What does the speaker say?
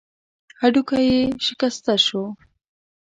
هډوکی يې شکسته شو.